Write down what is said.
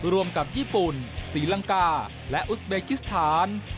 ร่วมกับญี่ปุ่นศรีลังกาและอุสเบกิสถาน